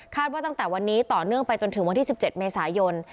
ว่าตั้งแต่วันนี้ต่อเนื่องไปจนถึงวันที่๑๗เมษายน